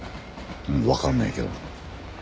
わかんないけど。